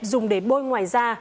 dùng để bôi ngoài da